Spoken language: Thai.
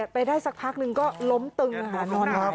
ไปได้สักพักหนึ่งก็ล้มตึงหานอนหาย